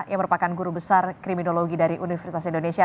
yang merupakan guru besar kriminologi dari universitas indonesia